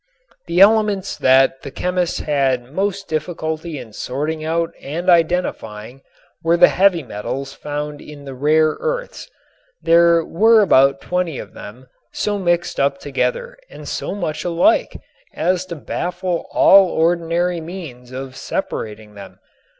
The elements that the chemists had most difficulty in sorting out and identifying were the heavy metals found in the "rare earths." There were about twenty of them so mixed up together and so much alike as to baffle all ordinary means of separating them.